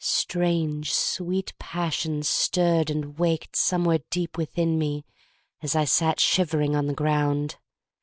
— Strange, sweet passions stirred and waked somewhere deep within me as I sat shivering on the ground.